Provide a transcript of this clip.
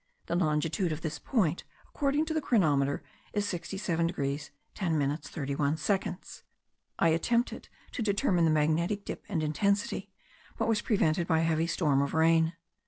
The longitude of this point according to the chronometer is 67 degrees 10 minutes 31 seconds. I attempted to determine the magnetic dip and intensity, but was prevented by a heavy storm of rain.